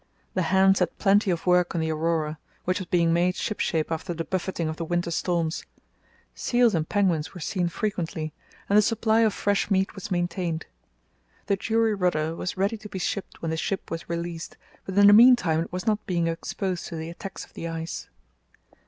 The hands had plenty of work on the Aurora, which was being made shipshape after the buffeting of the winter storms. Seals and penguins were seen frequently, and the supply of fresh meat was maintained. The jury rudder was ready to be shipped when the ship was released, but in the meantime it was not being exposed to the attacks of the ice.